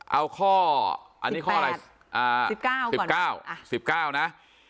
เอาข้ออันนี้ข้ออะไรอ่า๑๙ก่อน๑๙๑๙นะ